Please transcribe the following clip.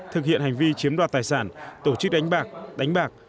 thực hiện hành vi chiếm đoạt tài sản tổ chức đánh bạc đánh bạc